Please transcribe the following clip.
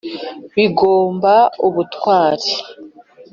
bigomba ubutwari !